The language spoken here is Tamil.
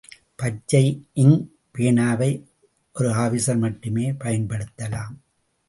பச்சை இங்க் பேனாவை ஒரு ஆபீஸர் மட்டுமே பயன்படுத்தலாம்.